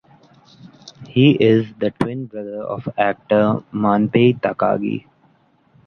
He is the twin brother of actor Manpei Takagi.